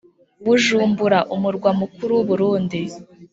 Bujumbura umurwa mukuru wuburundi